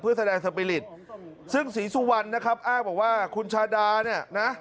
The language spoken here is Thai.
เพื่อแสดงสปีริตซึ่งศรีสุวรรณนะครับอ้างบอกว่าคุณชาดาเนี่ยนะ